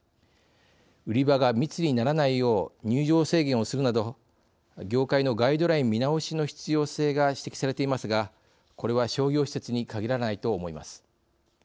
売り場が密にならないよう入場制限をするなど業界のガイドライン見直しの必要性が指摘されていますがこれは商業施設に限らないと思います。